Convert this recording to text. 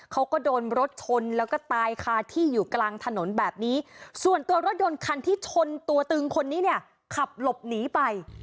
เขาก็โดนรถชนแล้วก็ตายคาที่อยู่กลางถนนแบบนี้ส่วนตัวรถยนต์คันที่ชนตัวตึงคนนี้เนี่ยขับหลบหนีไป